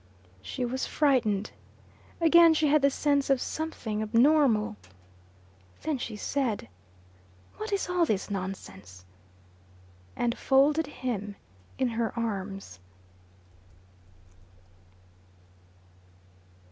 She was frightened. Again she had the sense of something abnormal. Then she said, "What is all this nonsense?" and folded him in her arms.